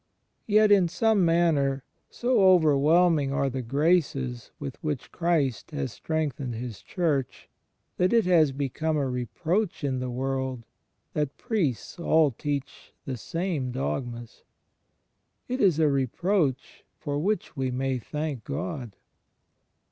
Yet, in some manner, so overwhelming are the graces with which Christ has strengthened His Church, that it has become a reproach in the world that priests all teach the same dogmas. It is a reproach for which we may thank God.